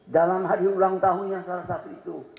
dalam hari ulang tahun yang salah satu itu